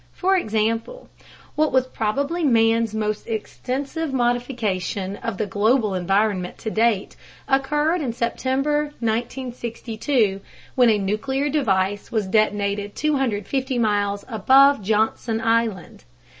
For example, what was probably man's most extensive modification of the global environment to date occurred in September 1962, when a nuclear device was detonated 250 miles above Johnson Island.